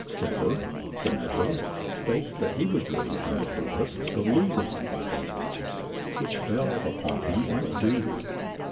Semper, the naturalist, states that he was driven from the forests of Luzon by these leeches, which fell upon him like dew.